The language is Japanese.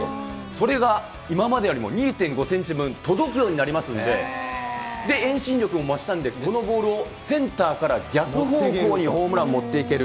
それが今までよりも２．５センチ分、届くようになりますんで、遠心力も増したんで、このボールをセンターから逆方向にホームラン持っていける。